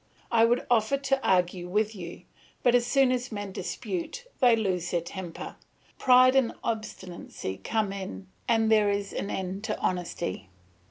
I would offer to argue with you, but as soon as men dispute they lose their temper; pride and obstinacy come in, and there is an end of honesty.